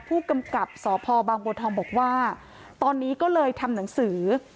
ผู้กำกับสพบางบัวทองบอกว่าตอนนี้ก็เลยทำหนังสือ